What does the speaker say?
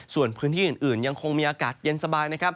ส่วนพื้นที่อื่นยังคงมีอากาศเย็นสบายนะครับ